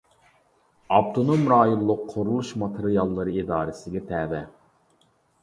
ئاپتونوم رايونلۇق قۇرۇلۇش ماتېرىياللىرى ئىدارىسىگە تەۋە.